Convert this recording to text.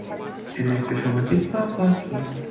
এরা একটি সামাজিক পাখি।